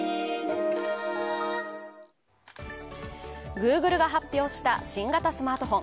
Ｇｏｏｇｌｅが発表した新型スマートフォン。